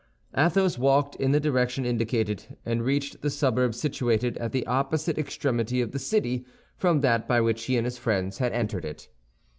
Athos walked in the direction indicated, and reached the suburb situated at the opposite extremity of the city from that by which he and his friends had entered it.